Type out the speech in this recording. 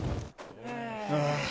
ああ。